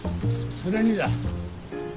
それにだ。